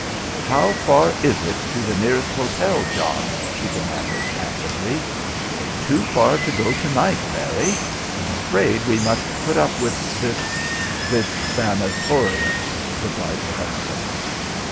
"How far is it to the nearest hotel, John?" she demanded acidly. "Too far to go to night, Mary. I'm afraid we must put up with this this sanatorium," replied her husband.